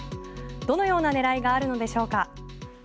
どのような狙いがあるのでしょうか？